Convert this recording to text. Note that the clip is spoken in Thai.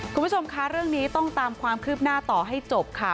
คุณผู้ชมคะเรื่องนี้ต้องตามความคืบหน้าต่อให้จบค่ะ